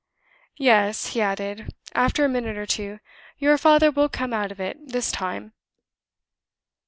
"Yes," he added, after a minute or two; "your father will come out of it this time."